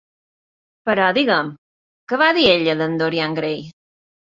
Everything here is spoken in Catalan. Però, digues-me, què va dir ella de Dorian Gray?